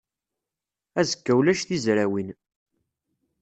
Azekka ulac tizrawin.